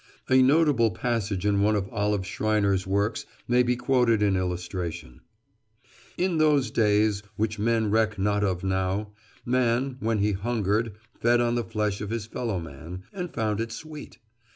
A notable passage in one of Olive Schreiner's works may be quoted in illustration: "In those days, which men reck not of now, man, when he hungered, fed on the flesh of his fellow man and found it sweet.